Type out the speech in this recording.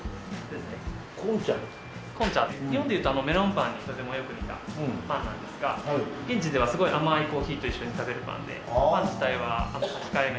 日本で言うとメロンパンにとてもよく似たパンなんですが現地ではすごい甘いコーヒーと一緒に食べるパンでパン自体は甘さ控えめで。